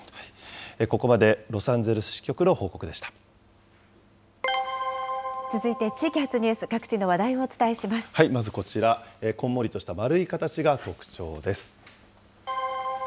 ここまで、ロサンゼルス支局の報続いて地域発ニュース、各地まずこちら、こんもりとした丸い形が特徴です。